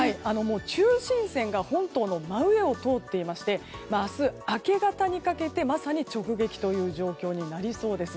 中心線が本島の真上を通っていまして明日明け方にかけてまさに直撃という状況になりそうです。